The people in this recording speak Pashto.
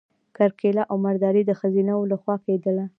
کرکیله او مالداري د ښځینه وو لخوا کیدله.